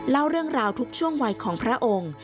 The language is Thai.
เล่าเรื่องราวทุกช่วงวัยของพระองค์